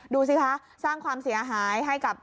ดูสิคะสร้างความเสียหายให้กับ